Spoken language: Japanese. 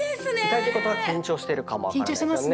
痛いってことは緊張しているかも分からないですね。